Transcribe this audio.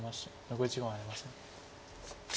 残り時間はありません。